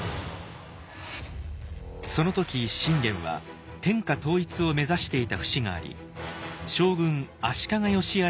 その時信玄は天下統一を目指していた節があり将軍足利義昭と連携